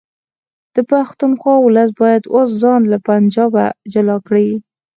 د پښتونخوا ولس باید اوس ځان له پنجابه جلا کړي